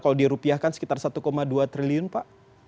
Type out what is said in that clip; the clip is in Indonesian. kalau dirupiahkan sekitar satu dua triliun pak